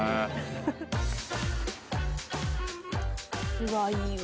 ・うわいいわ